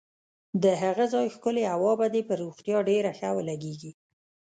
د هغه ځای ښکلې هوا به دې پر روغتیا ډېره ښه ولګېږي.